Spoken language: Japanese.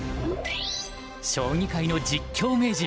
将棋界の実況名人